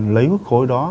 lấy huyết gối đó